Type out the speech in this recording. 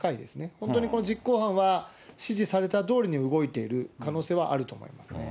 本当にこの実行犯は、指示されたとおりに動いている可能性はあると思いますね。